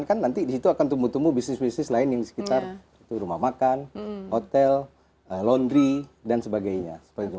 kan nanti disitu akan tumbuh tumbuh bisnis bisnis lain yang di sekitar rumah makan hotel laundry dan sebagainya